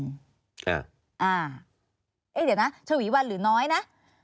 ยายและทะวีวัลอ่าทะวีวัลหรือน้อยนะ